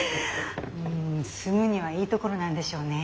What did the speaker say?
住むにはいいところなんでしょうね。